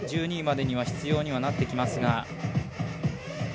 １２位までには必要にはなってきますが。